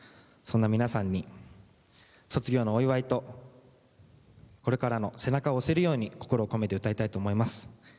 そんな皆さんに卒業のお祝いとこれからの背中を押せるように心を込めて歌いたいと思います。